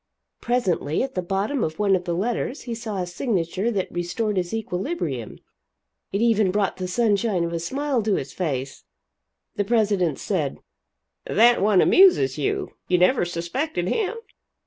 Presently, at the bottom of one of the letters he saw a signature that restored his equilibrium; it even brought the sunshine of a smile to his face. The president said: "That one amuses you. You never suspected him?"